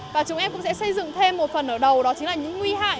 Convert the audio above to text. và chúng em cũng sẽ xây dựng thêm một phần ở đầu đó chính là những nguy hại